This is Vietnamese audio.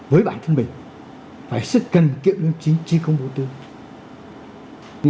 với bản thân mình phải sức cần kiệm lương chính chi không bổ tương